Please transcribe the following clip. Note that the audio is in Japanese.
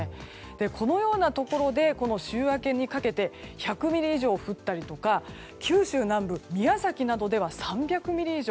このようなところで週明けにかけて１００ミリ以上降ったりとか九州南部の宮崎などでは３００ミリ以上。